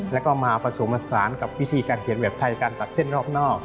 แล้วก็มาผสมผสานกับวิธีการเขียนแบบไทยการตัดเส้นรอบนอก